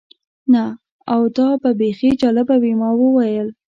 نه، او دا به بیخي جالبه وي. ما وویل.